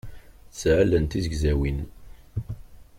Tesɛa allen d tizegzawin.